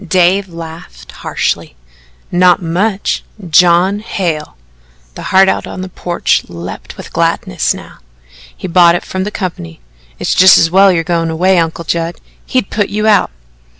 Dave laughed harshly. "Not much John Hale." The heart out on the porch leaped with gladness now. "He bought it from the company. It's just as well you're goin' away, Uncle Judd. He'd put you out."